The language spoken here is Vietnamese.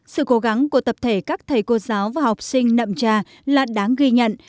sự cố gắng của tập thể các thầy cô giáo và học sinh nậm trà là đáng ghi nhận